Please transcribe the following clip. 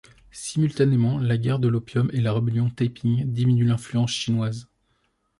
Simultanément, la Guerre de l'opium et la Rébellion Taiping diminuèrent l'influence chinoise.